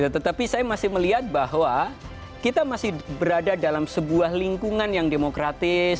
tetapi saya masih melihat bahwa kita masih berada dalam sebuah lingkungan yang demokratis